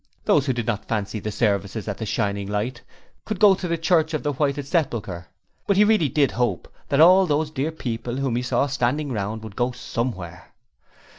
Those who did not fancy the services at the Shining Light could go to the Church of the Whited Sepulchre, but he really did hope that all those dear people whom he saw standing round would go Somewhere.